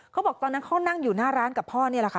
เขาบอกตอนนั้นเขานั่งอยู่หน้าร้านกับพ่อนี่แหละค่ะ